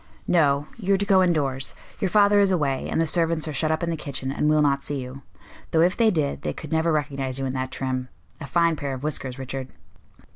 "No. You are to go indoors. Your father is away, and the servants are shut up in the kitchen and will not see you. Though if they did, they could never recognize you in that trim. A fine pair of whiskers, Richard."